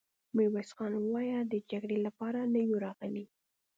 ميرويس خان وويل: د جګړې له پاره نه يو راغلي!